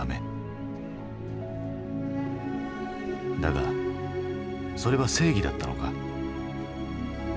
だがそれは正義だったのか？